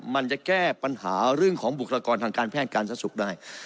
มันจะแก้ปัญหาเรื่องของบุคลากรทางการแพทย์การสะสุขได้